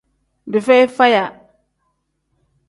Dii feyi faya.